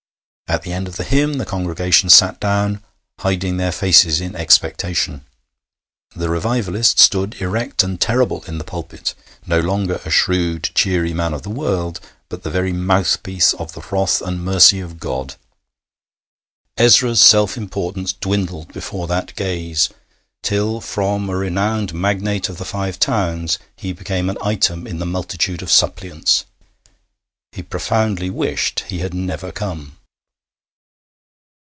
At the end of the hymn the congregation sat down, hiding their faces in expectation. The revivalist stood erect and terrible in the pulpit, no longer a shrewd, cheery man of the world, but the very mouthpiece of the wrath and mercy of God. Ezra's self importance dwindled before that gaze, till, from a renowned magnate of the Five Towns, he became an item in the multitude of suppliants. He profoundly wished he had never come.